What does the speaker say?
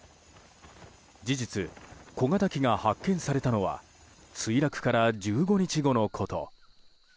事実、小型機が発見されたのは墜落から１５日後のこと。